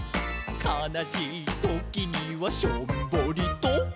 「かなしいときにはしょんぼりと」